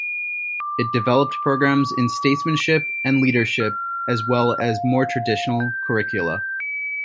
It developed programs in statesmanship and leadership, as well as more traditional curricula.